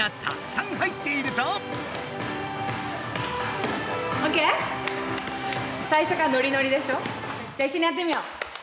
じゃあいっしょにやってみよう。